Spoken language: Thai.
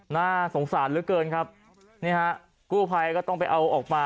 น่าสงสารเหลือเกินครับนี่ฮะกู้ภัยก็ต้องไปเอาออกมา